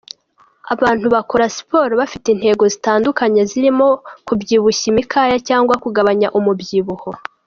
Abantu bakora siporo bafite intego zitandukanye zirimo kubyibushya imikaya cyangwa kugabanya umubyibuho.